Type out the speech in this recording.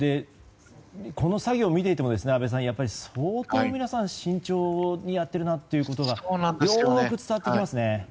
この作業を見ていても、安倍さんやっぱり相当皆さん、慎重にやっているなということがよく伝わってきますね。